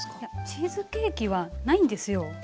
チーズケーキはないんですよ。